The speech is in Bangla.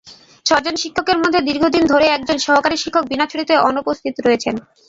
ছয়জন শিক্ষকের মধ্যে দীর্ঘদিন ধরে একজন সহকারী শিক্ষক বিনা ছুটিতে অনুপস্থিত রয়েছেন।